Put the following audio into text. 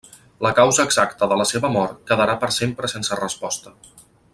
La causa exacta de la seva mort quedarà per sempre sense resposta.